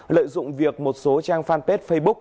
lợi dụng việc một số trang fanpage facebook